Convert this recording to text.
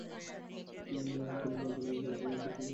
কোনো মজা নেওয়া চলবে না, ঠিক আছে?